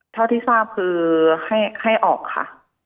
เท่าที่ทราบคือให้ออกค่ะ